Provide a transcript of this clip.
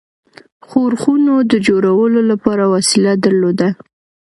ښورښونو د جوړولو لپاره وسیله درلوده.